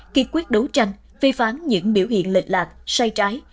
kỳ quyết đấu tranh phi phán những biểu hiện lịch lạc sai trái